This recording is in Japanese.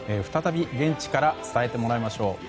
再び現地から伝えてもらいましょう。